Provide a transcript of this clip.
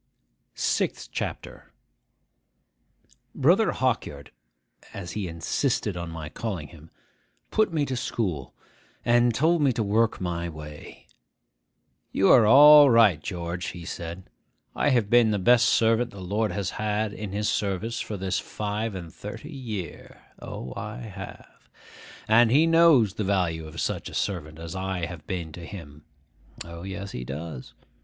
SIXTH CHAPTER BROTHER HAWKYARD (as he insisted on my calling him) put me to school, and told me to work my way. 'You are all right, George,' he said. 'I have been the best servant the Lord has had in his service for this five and thirty year (O, I have!); and he knows the value of such a servant as I have been to him (O, yes, he does!)